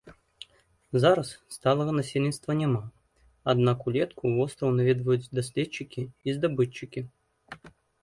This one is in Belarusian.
Зараз сталага насельніцтва няма, аднак улетку востраў наведваюць даследчыкі і здабытчыкі.